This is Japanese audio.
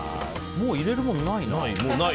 もう入れるもの、ないな。